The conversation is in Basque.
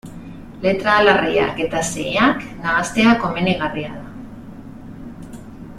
Letra larriak eta xeheak nahastea komenigarria da.